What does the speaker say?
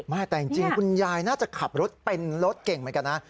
ไม่แต่จริงคุณยายน่าจะขับรถเป็นรถเก่งเหมือนกันนะ